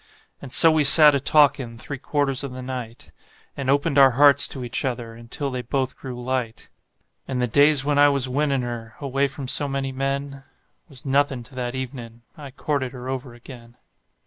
And so we sat a talkin' three quarters of the night, And opened our hearts to each other until they both grew light; And the days when I was winnin' her away from so many men Was nothin' to that evenin' I courted her over again.